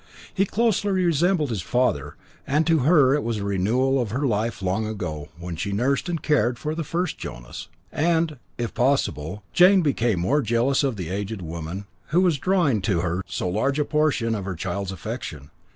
He closely resembled his father, and to her it was a renewal of her life long ago, when she nursed and cared for the first Jonas. And, if possible, Jane became more jealous of the aged woman, who was drawing to her so large a portion of her child's affection.